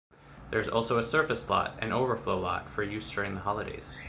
There is also a surface lot and overflow lot for use during the holidays.